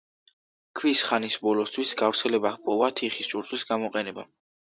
ქვის ხანის ბოლოსთვის, გავრცელება ჰპოვა თიხის ჭურჭლის გამოყენებამ.